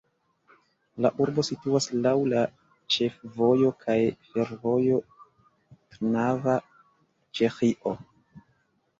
La urbo situas laŭ la ĉefvojo kaj fervojo Trnava-Ĉeĥio.